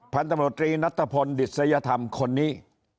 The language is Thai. พันธมตรีนัทพลดิษยธรรมคนนี้